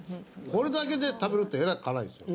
これだけで食べるとえらく辛いですよ。